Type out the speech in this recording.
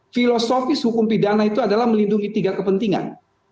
filosofis hukum pidana itu adalah melindungi tiga kepentingan